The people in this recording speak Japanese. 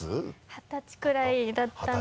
二十歳くらいだったので。